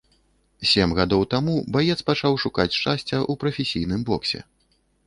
Сем гадоў таму баец пачаў шукаць шчасця ў прафесійным боксе.